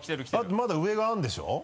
まだ上があるんでしょ？